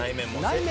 内面？